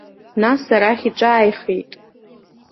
Нас арахь иҿааихеит.